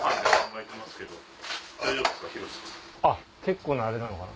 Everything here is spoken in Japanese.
あっ結構なあれなのかな？